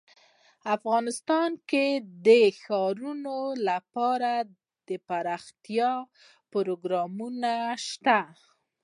افغانستان کې د ښارونه لپاره دپرمختیا پروګرامونه شته.